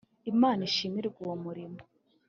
Imana ishimirwe uwo muhiro.